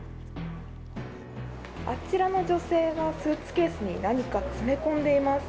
あちらの女性はスーツケースに何か詰め込んでいます。